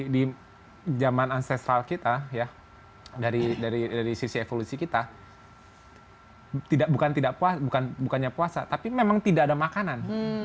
di zaman ancestral kita ya dari sisi evolusi kita bukannya puasa tapi memang tidak ada makanan